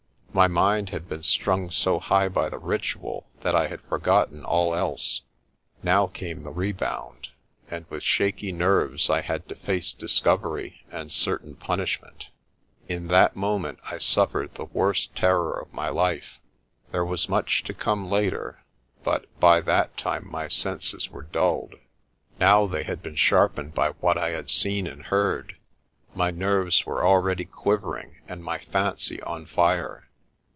My mind had been strung so high by the ritual that I had forgotten all else. Now came the rebound, and with shaky nerves I had to face discovery and certain punishment. In that moment I suf 144 PRESTER JOHN fered the worst terror of my life. There was much to come later but by that time my senses were dulled. Now they had been sharpened by what I had seen and heard, my nerves were already quivering and my fancy on fire.